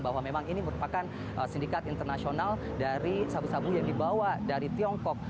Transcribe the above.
bahwa memang ini merupakan sindikat internasional dari sabu sabu yang dibawa dari tiongkok